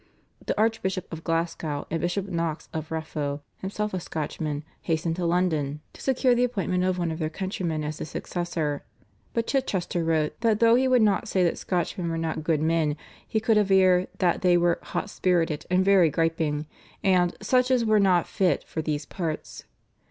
The Archbishop of Glasgow and Bishop Knox of Raphoe, himself a Scotchman, hastened to London to secure the appointment of one of their countrymen as his successor; but Chichester wrote that though he would not say that Scotchmen were not good men, he could aver that they were "hot spirited and very griping" and "such as were not fit for these parts."